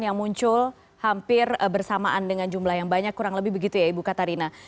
yang muncul hampir bersamaan dengan jumlah yang banyak kurang lebih begitu ya ibu katarina